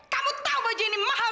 kamu tahu baju ini mahal saya beli